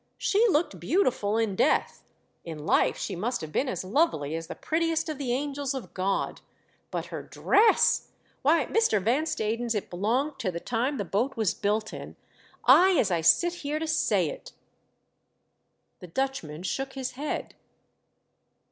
She looked beautiful in death, in life she must have been as lovely as the prettiest of the angels of God. But her dress ! Why, Mr. Van Stadens, it belonged to the time the boat was built in. Ay, as I sit here to say it !" The Dutchman shook his head.